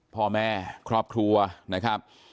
พ่อแม่ครอบครัวนะครับ